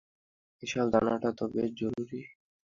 এসব জানাটা তো বেশ জরুরি।